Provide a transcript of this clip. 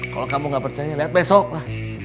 kalau kamu gak percaya lihat besok lah